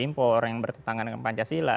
impor orang yang bertentangan dengan pancasila